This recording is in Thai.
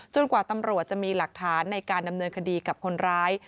กว่าตำรวจจะมีหลักฐานในการดำเนินคดีกับคนร้าย